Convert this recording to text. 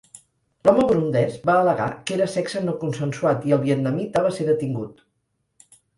L'home burundès va al·legar que era sexe no consensuat i el vietnamita va ser detingut.